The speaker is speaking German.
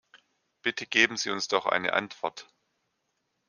Bitte geben Sie uns doch eine Antwort!